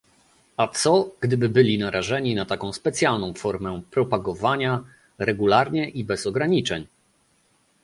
A co, gdyby byli narażeni na taką specjalną formę "propagowania" regularnie i bez ograniczeń?